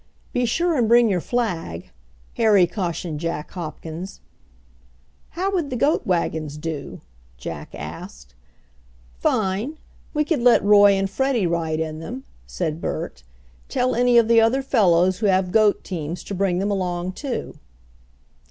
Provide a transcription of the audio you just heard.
"Be sure and bring your flag," Harry cautioned Jack Hopkins. "How would the goat wagons do?" Jack asked. "Fine; we could let Roy and Freddie ride in them," said Bert. "Tell any of the other fellows who have goat teams to bring them along too."